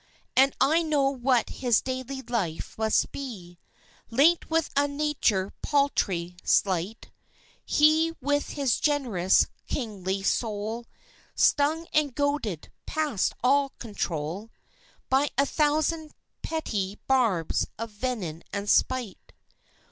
And I know what his daily life must be. Linked with a nature paltry, slight, He with his generous, kingly soul, Stung and goaded past all control By a thousand petty barbs of venom and spite.